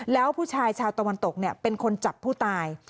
แล้วผู้ชายชาวตะวันตกเป็นคนจับผู้ตาย